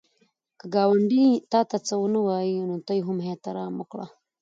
که ګاونډی تا ته څه ونه وايي، ته یې هم احترام وکړه